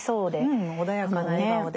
うん穏やかな笑顔で。